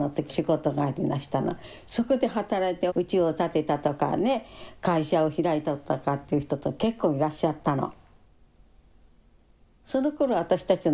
そこで働いてうちを建てたとかね会社を開いたとかっていう人って結構いらっしゃったの。